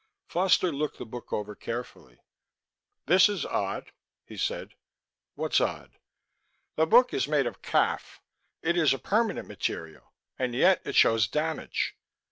Foster looked the book over carefully. "This is odd," he said. "What's odd?" "The book is made of khaff. It is a permanent material and yet it shows damage."